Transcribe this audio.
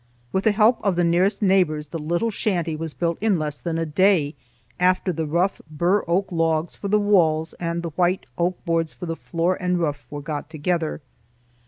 With the help of the nearest neighbors the little shanty was built in less than a day after the rough bur oak logs for the walls and the white oak boards for the floor and roof were got together.